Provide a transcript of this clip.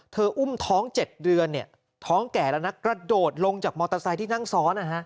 เธออุ้มท้องเจ็ดเดือนเนี่ยท้องแก่แล้วนักกระโดดลงจากมอเตอร์ไซต์ที่นั่งซ้อนอ่ะฮะ